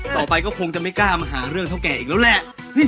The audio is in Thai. ต่อไปก็คงจะไม่กล้ามาหาเรื่องเท่าแก่อีกแล้วแหละ